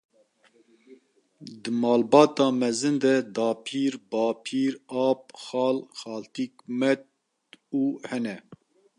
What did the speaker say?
Di malbata mezin de dapîr, babîr, ap, xal, xaltîk, met û hene.